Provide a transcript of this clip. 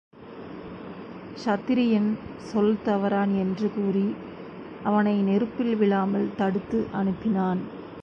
க்ஷத்திரியன் சொல் தவறான் என்று கூறி அவனை நெருப்பில் விழாமல் தடுத்து அனுப்பினான்.